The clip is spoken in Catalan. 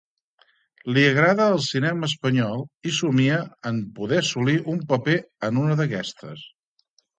Li agrada el cinema espanyol, i somnia en poder assolir un paper en una d'aquestes.